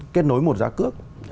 kết nối một giá cước